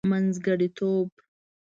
منځګړتوب.